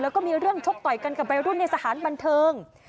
แล้วก็มีเรื่องชกต่อยกันกับวัยรุ่นในสถานบันเทิง